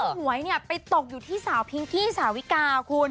ซึ่งหวยเนี่ยไปตกอยู่ที่สาวพิงกี้สาววิกาคุณ